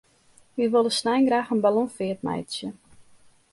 Wy wolle snein graach in ballonfeart meitsje.